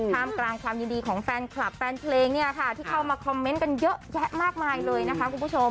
ท่ามกลางความยินดีของแฟนคลับแฟนเพลงเนี่ยค่ะที่เข้ามาคอมเมนต์กันเยอะแยะมากมายเลยนะคะคุณผู้ชม